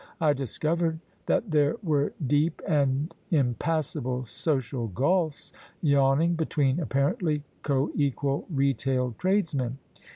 I discovered that there were deep and impassable social gulfs yawning between apparently co equal retail tradesmen.